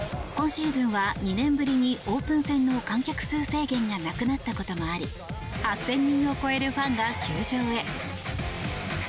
今シーズンは２年ぶりにオープン戦の観客数制限がなくなったこともあり８０００人を超えるファンが球場へ。